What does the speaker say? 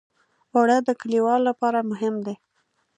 اوړه د کليوالو لپاره مهم دي